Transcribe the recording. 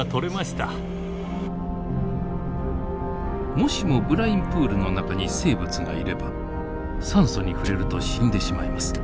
もしもブラインプールの中に生物がいれば酸素に触れると死んでしまいます。